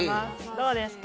「どうですか？」